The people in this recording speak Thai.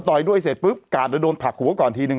ต่อยด้วยเสร็จปุ๊บกาดเดี๋ยวโดนผลักหัวก่อนทีนึง